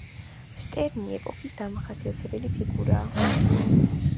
შტერნი ეპოქის დამახასიათებელი ფიგურაა.